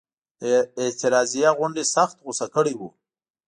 د اعتراضیه غونډې سخت غوسه کړي وو.